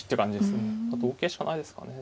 同桂しかないですかね